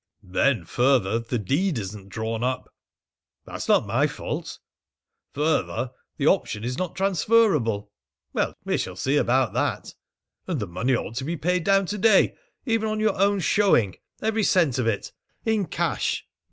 "Then further, the deed isn't drawn up." "That's not my fault." "Further, the option is not transferable." "We shall see about that." "And the money ought to be paid down to day, even on your own showing every cent of it, in cash."